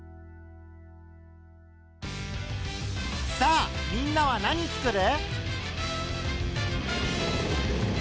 さあみんなは何つくる？